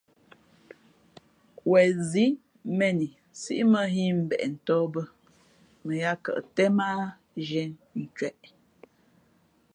Wen zí mēn i nsíʼ mᾱ nhᾱ ī mbeʼ tᾱh bᾱ mα yāā kαʼ tén mά á zhīē ncwěʼ.